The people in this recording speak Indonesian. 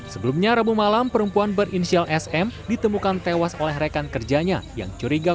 sebelumnya rabu malam perempuan berinisial sm ditemukan tewas oleh rekan kerjanya yang curiga